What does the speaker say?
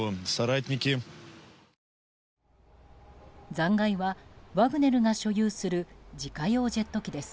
残骸はワグネルが所有する自家用ジェット機です。